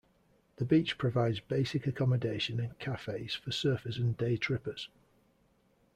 The beach provides basic accommodation and cafes for surfers and day-trippers.